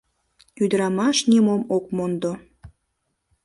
— Ӱдырамаш нимом ок мондо...